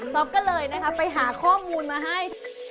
๊อกก็เลยนะคะไปหาข้อมูลมาให้